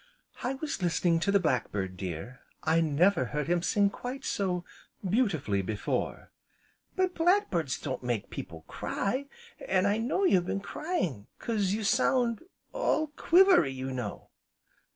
"I was listening to the Black bird, dear, I never heard him sing quite so beautifully, before." "But black birds don't make people cry, an' I know you've been crying 'cause you sound all quivery, you know."